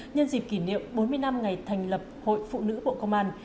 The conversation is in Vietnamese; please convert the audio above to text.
nhân dịp kỷ niệm bốn mươi năm ngày thành lập hội phụ nữ bộ công an